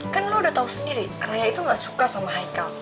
kan lo udah tau sendiri raya itu gak suka sama hicle